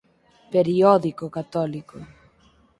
Periódico católico.